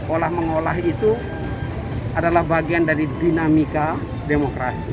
olah mengolah itu adalah bagian dari dinamika demokrasi